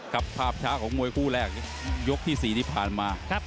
ภาพช้าของมวยคู่แรกยกที่๔ที่ผ่านมา